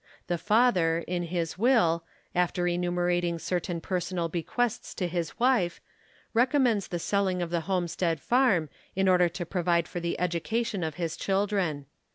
The father, in his will, after enumerating cer tain personal bequests to his wife, recommends the selling of the homestead farm, in order to provide for the education of his children.